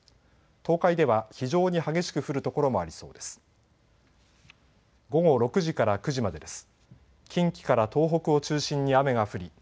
東海では非常に激しく降る所もありそうです。